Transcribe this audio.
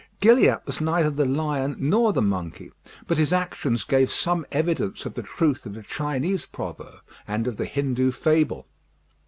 Gilliatt was neither the lion nor the monkey; but his actions gave some evidence of the truth of the Chinese proverb, and of the Hindoo fable.